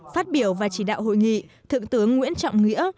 phát biểu và chỉ đạo hội nghị thượng tướng nguyễn trọng nghĩa